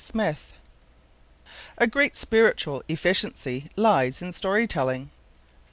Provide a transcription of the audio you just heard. Smith "A great spiritual efficiency lies in story telling".